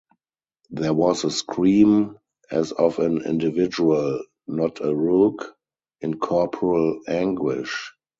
There was a scream as of an individual — not a rook — in corporal anguish.